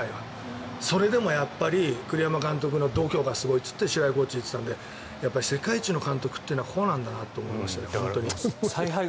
それでもやっぱり栗山監督の度胸がすごいと言って白井コーチは言っていたので世界一の監督はこうなんだなと思いましたね。